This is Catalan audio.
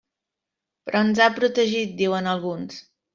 Però ens ha protegit, diuen alguns.